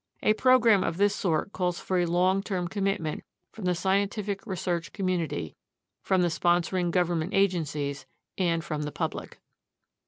A program of this sort calls for a long term commitment from the scientific research com munity, from the sponsoring government agencies, and from the public.